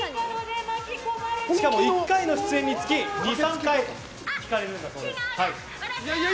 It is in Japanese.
しかも１回の出演につき２３回ひかれるんだそうです。